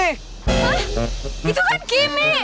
hah itu kan kimi